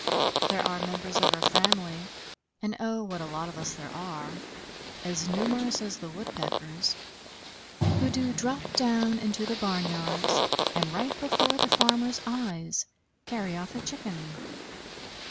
There are members of our family, and oh, what a lot of us there are as numerous as the Woodpeckers who do drop down into the barnyards and right before the farmer's eyes carry off a Chicken.